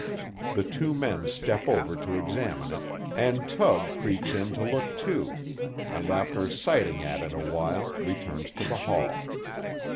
The two men step over to examine it, and Tug creeps in to look too, and after sighting at it awhile returns to the hall.